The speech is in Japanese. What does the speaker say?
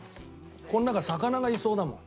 この中魚がいそうだもん。